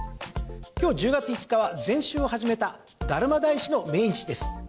今日１０月５日は、禅宗を始めた達磨大師の命日です。